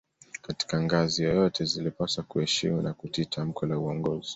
Katika ngazi yoyote zilipaswa kuheshimu na kutii tamko la uongozi